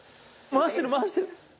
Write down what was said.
回してる回してる。